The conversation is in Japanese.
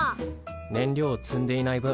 燃料を積んでいない分